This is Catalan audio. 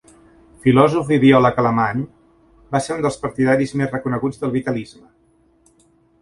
Filòsof i biòleg alemany, va ser un dels partidaris més reconeguts del vitalisme.